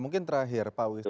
mungkin terakhir pak wisnu